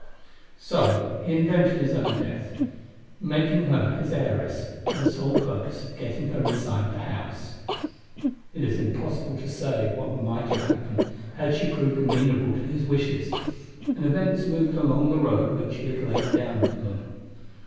So he invented his own death, making her his heiress, for the sole purpose of getting her inside the house. It is impossible to say what might have happened had she proved amenable to his wishes ; and events moved along the road which he had laid down for them.